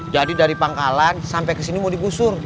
jadi dari pangkalan sampai kesini mau dibusur